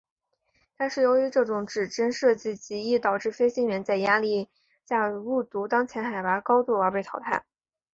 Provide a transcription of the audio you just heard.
但是由于这种指针设计极易导致飞行员在压力下误读当前海拔高度而被淘汰。